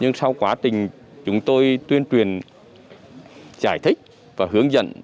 nhưng sau quá trình chúng tôi tuyên truyền giải thích và hướng dẫn